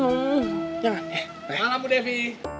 malam bu devi